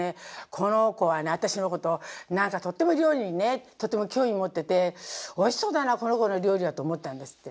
この子は私のことを何かとっても料理にねとっても興味を持ってて「おいしそうだなこの子の料理は」と思ったんですって。